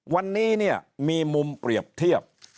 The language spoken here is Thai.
วันนี้เนี่ยมีมุมเปรียบเทียบ